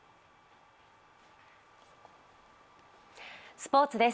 スポ−ツです。